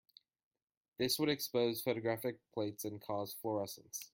This would expose photographic plates and cause fluorescence.